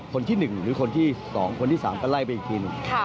คนที่๑หรือคนที่๒คนที่๓ก็ไล่ไปอีกทีหนึ่ง